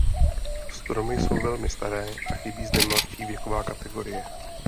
Stromy jsou velmi staré a chybí zde mladší věkové kategorie.